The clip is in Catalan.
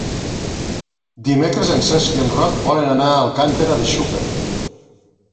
Dimecres en Cesc i en Roc volen anar a Alcàntera de Xúquer.